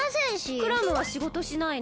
クラムはしごとしないの？